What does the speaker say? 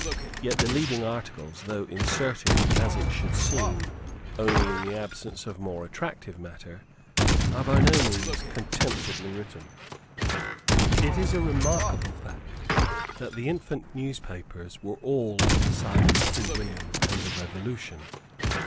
Yet the leading articles, though inserted, as it should seem, only in the absence of more attractive matter, are by no means contemptibly written. It is a remarkable fact that the infant newspapers were all on the side of King William and the Revolution.